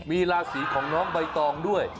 มีราศีของน้องใบตองด้วย